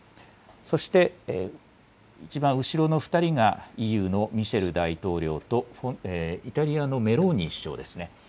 そしていちばん後ろの２人がＥＵのミシェル大統領とイタリアのメローニ首相ですね。